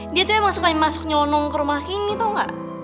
dia tuh emang suka masuk nyonong ke rumah ini tau gak